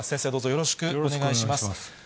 よろしくお願いします。